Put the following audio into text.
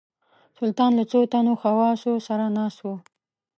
سلطان له څو تنو خواصو سره ناست وو.